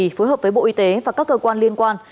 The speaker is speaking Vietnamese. phối hợp với bộ y tế và các cơ quan liên quan